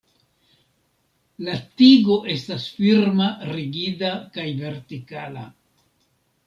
La tigo estas firma rigida kaj vertikala.